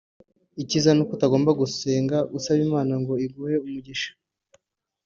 Ikiza ni uko utagomba gusenga usaba Imana ngo iguhe umugisha